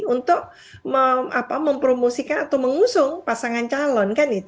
untuk mempromosikan atau mengusung pasangan calon